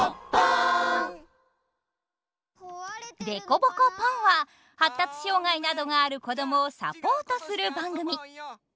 「でこぼこポン！」は発達障害などがある子供をサポートする番組。